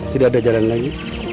tidak ada jalan lagi